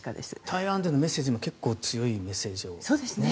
台湾でのメッセージもかなり強いメッセージでしたよね。